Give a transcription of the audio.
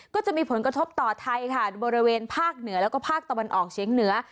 ก็จะมีผลกระทบต่อไทยค่ะบริเวณภาคเหนือแล้วก็ภาคตะวันออกเฉียงเหนือ